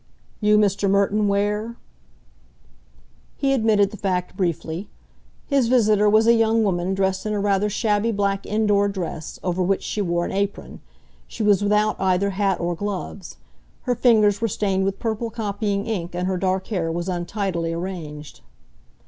"You Mr. Merton Ware?" He admitted the fact briefly. His visitor was a young woman dressed in a rather shabby black indoor dress, over which she wore an apron. She was without either hat or gloves. Her fingers were stained with purple copying ink, and her dark hair was untidily arranged.